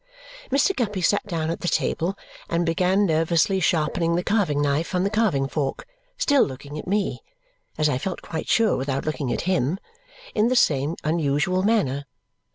Mr. Guppy sat down at the table and began nervously sharpening the carving knife on the carving fork, still looking at me (as I felt quite sure without looking at him) in the same unusual manner.